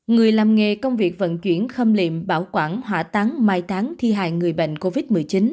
người làm nghề công việc vận chuyển khâm liệm bảo quản hỏa tán mai tán thi hại người bệnh covid một mươi chín